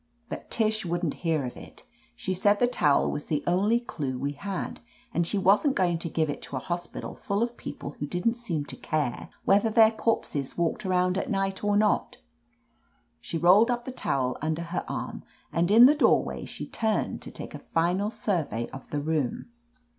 But Tish wouldn't hear of it She said the towel was the only clue we had, and she wasn't going to give it to a hospital full of people who didn't seem to care whether their corpses walked around at night or not She rolled up the towd under her arm, and in the doorway she turned to take a final sur vey of the room.